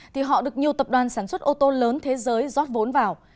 thì họ được nhiều tập đoàn sản xuất ô tô lớn thế giới rót vốn vào